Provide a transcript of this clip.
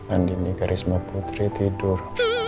andien ini karisma putri tidur